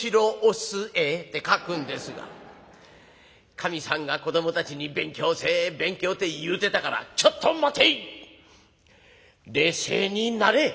かみさんが子どもたちに「勉強せえ勉強」って言うてたから「ちょっと待てい！冷静になれ冷静に。